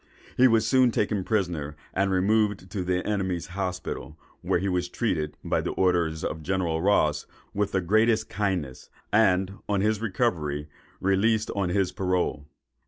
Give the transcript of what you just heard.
He was soon after taken prisoner, and removed to the enemy's hospital, where he was treated, by the orders of General Ross, with the greatest kindness; and, on his recovery, released on his parole.